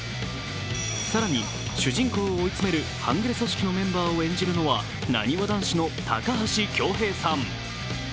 更に、主人公を追い詰める半グレ組織のメンバーを演じるのは、なにわ男子の高橋恭平さん。